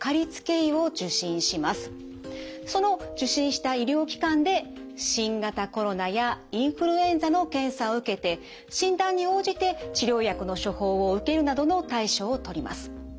その受診した医療機関で新型コロナやインフルエンザの検査を受けて診断に応じて治療薬の処方を受けるなどの対処をとります。